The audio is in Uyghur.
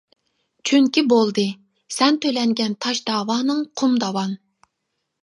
چۈنكى بولدى، سەن تۆلەنگەن تاش داۋانىڭ قۇم داۋان.